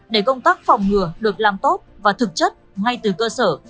để công tác phòng ngừa được làm tốt và thực chất ngay từ cơ sở